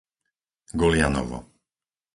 Golianovo